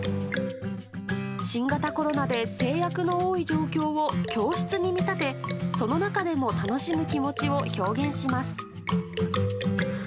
新型コロナで制約の多い状況を教室に見立て、その中でも楽しむ気持ちを表現します。